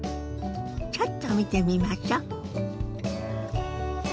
ちょっと見てみましょ。